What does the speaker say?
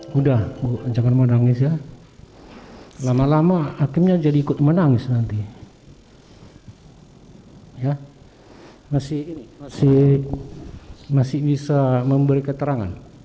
saya akan berusaha semaksimal mungkin